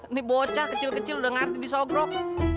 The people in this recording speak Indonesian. ini bocah kecil kecil udah ngerti disobrok